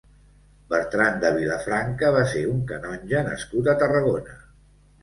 Bertran de Vilafranca va ser un canonge nascut a Tarragona.